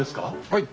はい。